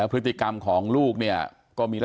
โอ้โหโอ้โหโอ้โหโอ้โห